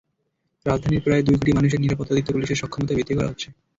রাজধানীর প্রায় দুই কোটি মানুষের নিরাপত্তা দিতে পুলিশের সক্ষমতা বৃদ্ধি করা হচ্ছে।